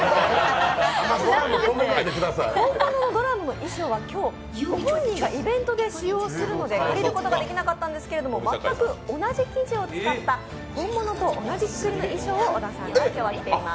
本物のドラムの衣装はイベントで使用するので見ることができなかったんですけれども、全く同じ生地を使った、本物と同じ衣装を小田さんが着ています。